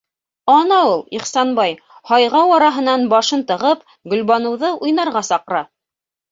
...Ана ул, Ихсанбай, һайғау араһынан башын тығып, Гөлбаныуҙы уйнарға саҡыра.